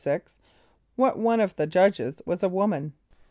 = What one of the judges was a woman?